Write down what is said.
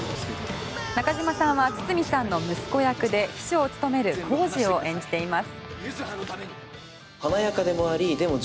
中島さんは堤さんの息子役で秘書を務める晄司を演じています。